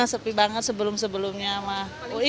sepi banget sebelum sebelumnya mah